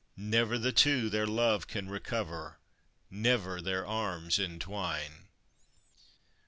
Never the two their love can recover, Never their arms entwine.